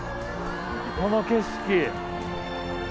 この景色。